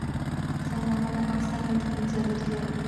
سنگ مرمر د افغانستان یوه طبیعي ځانګړتیا ده.